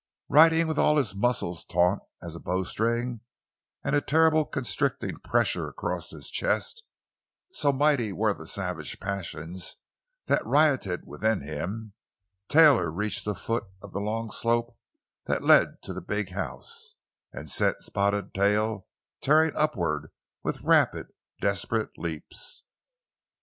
Riding with all his muscles taut as bowstrings, and a terrible, constricting pressure across his chest—so mighty were the savage passions that rioted within him—Taylor reached the foot of the long slope that led to the big house, and sent Spotted Tail tearing upward with rapid, desperate leaps.